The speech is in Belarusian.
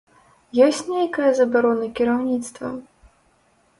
Ёсць нейкая забарона кіраўніцтва?